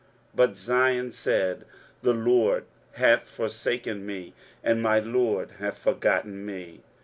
23:049:014 But Zion said, The LORD hath forsaken me, and my Lord hath forgotten me.